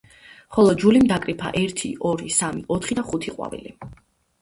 ხოლო, ჯულიმ დაკრიფა ერთი, ორი, სამი, ოთხი და ხუთი ყვავილი.